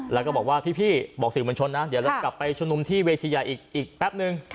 แล้วก็บอกว่าพี่บอกสิ่งบัญชนนะเดี๋ยวกลับไปชุมนุมที่เวทยาอีกแป๊บหนึ่ง